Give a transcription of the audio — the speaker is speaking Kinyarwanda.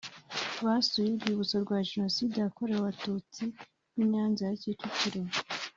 basuye Urwibutso rwa Jenoside yakorewe Abatutsi rw’i Nyanza ya Kicukiro